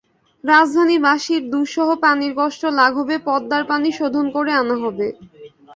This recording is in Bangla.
রাজধানীবাসীর দুঃসহ পানির কষ্ট লাঘবে পদ্মার পানি শোধন করে আনা হবে।